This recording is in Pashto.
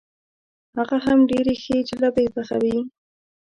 هغه هم ډېرې ښې جلبۍ پخوي.